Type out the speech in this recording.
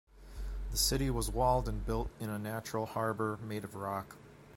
The city was walled and built in a natural harbour made of rock.